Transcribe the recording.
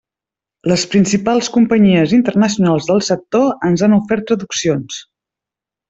Les principals companyies internacionals del sector ens han ofert traduccions.